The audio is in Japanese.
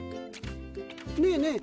ねえねえ